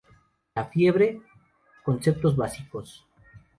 La fiebre: Conceptos básicos.